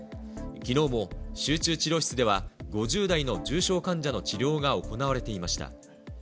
きのうも集中治療室では、５０代の重症患者の治療が行われていました。